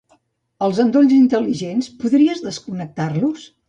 Els endolls intel·ligents, podries desconnectar-los?